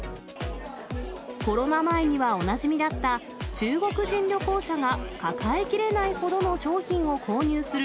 コロナ前にはおなじみだった、中国人旅行者が抱えきれないほどの商品を購入する、